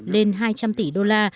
lên hai trăm linh tỷ đô la